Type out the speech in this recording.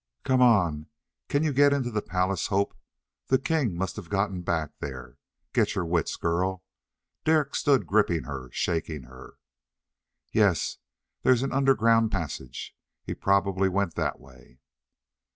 "Come on! Can you get into the palace, Hope? The king must have gotten back there. Get your wits, girl!" Derek stood gripping her, shaking her. "Yea, there's an underground passage. He probably went that way."